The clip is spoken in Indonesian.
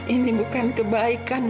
ini bukan kebaikan